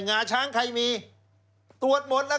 เพราะฉะนั้นคุณมิ้นท์พูดเนี่ยตรงเป้งเลย